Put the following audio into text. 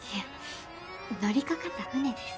乗りかかった船です。